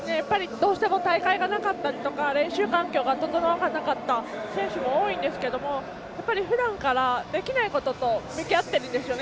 どうしても大会がなかったとか練習環境が整わなかった選手も多いんですけどもふだんからできないことと向き合っているんですよね